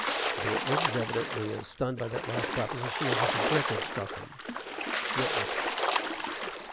(The witness is evidently as stunned by that last proposition as if a brick had struck him.) WITNESS.